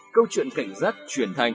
câu chuyện cảnh giác truyền thanh